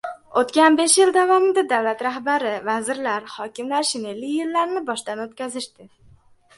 Oʻtgan besh yil davomida davlat rahbari, vazirlar, hokimlar shinelli yillarni boshdan oʻtkazishdi.